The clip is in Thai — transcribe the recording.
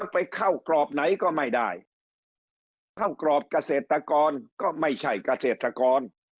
ไปเข้ากรอบไหนก็ไม่ได้กรอบเข้ากรอบเกษตรกรก็ไม่ใช่เกษตรกร